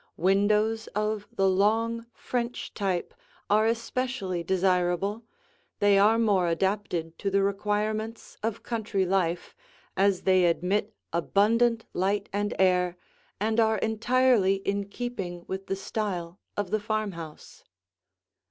Windows of the long French type are especially desirable; they are more adapted to the requirements of country life, as they admit abundant light and air and are entirely in keeping with the style of the farmhouse.